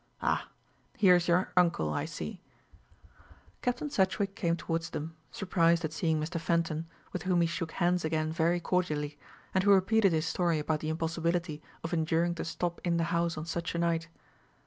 Ah, here is your uncle, I see." Captain Sedgewick came towards them, surprised at seeing Mr. Fenton, with whom he shook hands again very cordially, and who repeated his story about the impossibility of enduring to stop in the house on such a night.